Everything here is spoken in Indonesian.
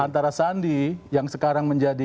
antara sandi yang sekarang menjadi